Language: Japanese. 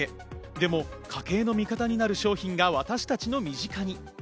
でも、家計のミカタになる商品が私たちの身近に。